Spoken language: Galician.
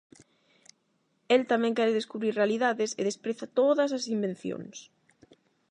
El tamén quere descubrir realidades e despreza todas as "invencións".